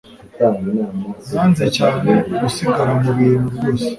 Nanze cyane gusigara mubintu rwose